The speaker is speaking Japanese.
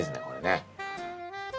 これね。